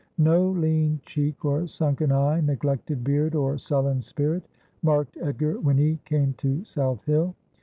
No lean cheek or sunken eye, neglected beard or sullen spirit, marked Edgar when he came to South Hill.